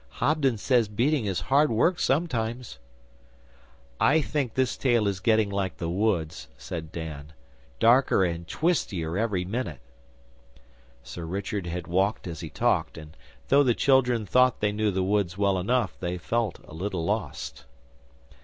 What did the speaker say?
'Hobden says beating is hard work sometimes.' 'I think this tale is getting like the woods,' said Dan, 'darker and twistier every minute.' Sir Richard had walked as he talked, and though the children thought they knew the woods well enough, they felt a little lost.